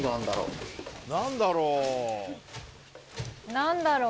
何だろう？